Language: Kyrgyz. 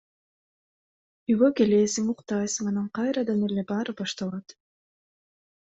Үйгө келесиң, уктайсың анан кайрадан эле баары башталат.